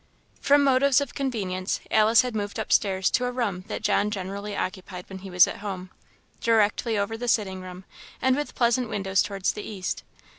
From motives of convenience, Alice had moved upstairs to a room that John generally occupied when he was at home, directly over the sitting room, and with pleasant windows towards the east.